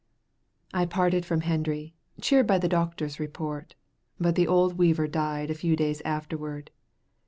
I parted from Hendry, cheered by the doctor's report, but the old weaver died a few days afterward.